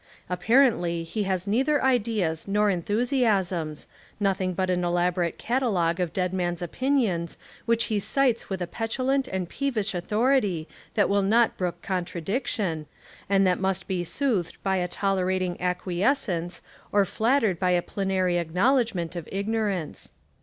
Apparently he has neither ideas nor enthusiasms, nothing but an elaborate catalogue of dead men's opinions which he cites with a petulant and peevish au thority that will not brook contradiction, and that must be soothed by a tolerating acqui escence, or flattered by a plenary acknowledg ment of ignorance.